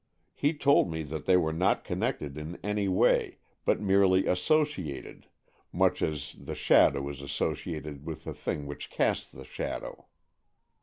He told me that they were not connected in any way, but merely associated, much as the shadow is associated with the thing which casts the shadow.